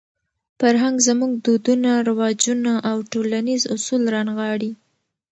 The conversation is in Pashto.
فرهنګ زموږ دودونه، رواجونه او ټولنیز اصول رانغاړي.